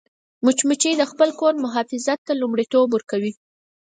مچمچۍ د خپل کور حفاظت ته لومړیتوب ورکوي